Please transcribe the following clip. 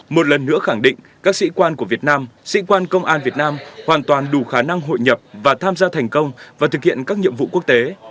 một lần nữa khẳng định các sĩ quan của việt nam sĩ quan công an việt nam hoàn toàn đủ khả năng hội nhập và tham gia thành công và thực hiện các nhiệm vụ quốc tế